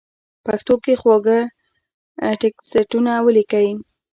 پښتو کې خواږه ټېکسټونه وليکئ!!